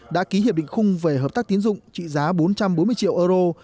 đã ký hiệp định khung về hợp tác tiến dụng trị giá bốn trăm bốn mươi triệu euro